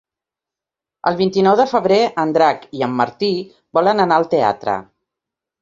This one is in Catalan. El vint-i-nou de febrer en Drac i en Martí volen anar al teatre.